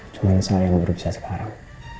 cuma ini saya yang duduk saja sekarang